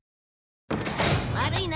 悪いな。